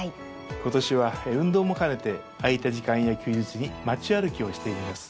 ことしは運動も兼ねて空いた時間や休日に街歩きをしています。